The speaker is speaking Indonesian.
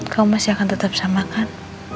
kau masih akan tetap sama kan